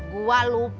gua lupa din